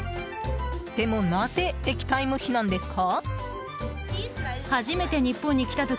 でも、なぜ液体ムヒなんですか？